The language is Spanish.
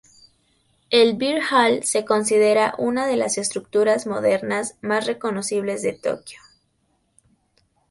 El Beer Hall se considera una de las estructuras modernas más reconocibles de Tokio.